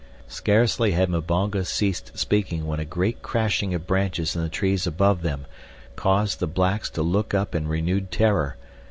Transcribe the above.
Scarcely had Mbonga ceased speaking when a great crashing of branches in the trees above them caused the blacks to look up in renewed terror.